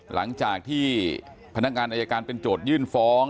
หลังจากที่พนักงานอายการเป็นโจทยื่นฟ้อง